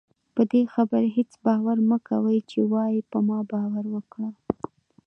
پدې خبره هېڅ باور مکوئ چې وايي په ما باور وکړه